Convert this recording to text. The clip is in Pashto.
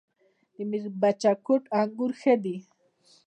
د میربچه کوټ انګور ښه دي